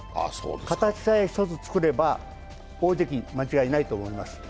形さえ１つ作れば大関、間違いないと思います。